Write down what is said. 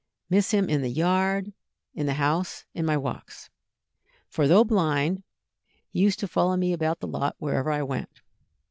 miss him in the yard, in the house, in my walks; for though blind, he used to follow me about the lot wherever I went.